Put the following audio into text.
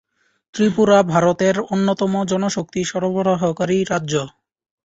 ত্রিপুরা ভারতের অন্যতম জনশক্তি সরবরাহকারী রাজ্য।